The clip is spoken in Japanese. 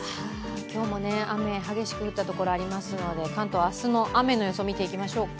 今日も雨、激しく降ったところがありますので、関東、明日の雨の予想、見ていきましょうか。